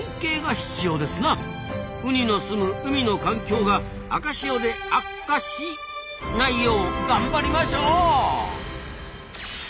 ウニのすむ海の環境が赤潮でアッカシないようがんばりましょう！